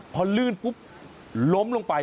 พอลื่นปุ๊บล้มลงไป